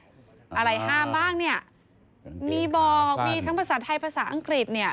อะไรห้ามบ้างเนี่ยมีบอกมีทั้งภาษาไทยภาษาอังกฤษเนี่ย